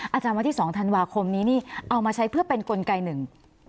อาจารย์วันที่๒ธันวาคมนี้นี่เอามาใช้เพื่อเป็นกลไกหนึ่ง